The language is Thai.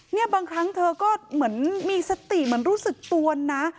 เนี่ยบางครั้งเธอก็เหมือนมีสติเหมือนรู้สึกตวนนะ